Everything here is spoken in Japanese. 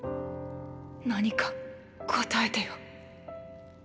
何か答えてよ。